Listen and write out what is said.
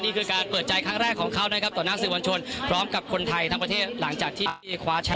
ค่ะขอบพระพุทธแม่ค่ะ